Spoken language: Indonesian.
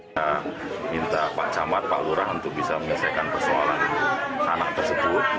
kita minta pak cambak pak lurang untuk bisa menyelesaikan persoalan anak tersebut